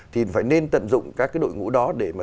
thì phải nên tận dụng các cái đội ngũ đó để mà